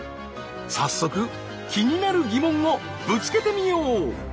早速気になる疑問をぶつけてみよう。